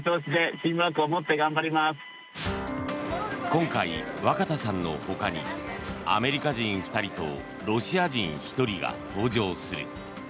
今回、若田さんのほかにアメリカ人２人とロシア人１人が搭乗する。